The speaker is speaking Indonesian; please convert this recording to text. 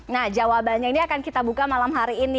nah jawabannya ini akan kita buka malam hari ini